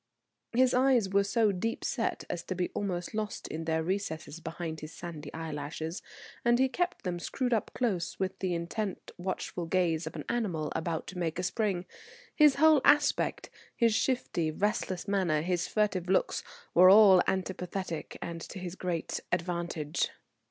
His eyes were so deep set as to be almost lost in their recesses behind his sandy eyelashes, and he kept them screwed up close, with the intent watchful gaze of an animal about to make a spring. His whole aspect, his shifty, restless manner, his furtive looks, all were antipathetic and to his great advantage.